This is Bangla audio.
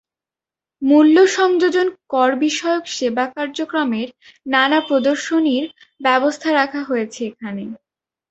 মূল্য সংযোজন করবিষয়ক সেবা কার্যক্রমের নানা প্রদর্শনীর ব্যবস্থা রাখা হয়েছে এখানে।